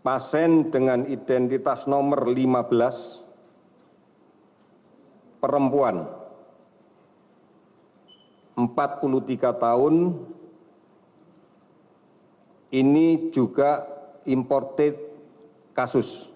pasien dengan identitas nomor lima belas perempuan empat puluh tiga tahun ini juga imported kasus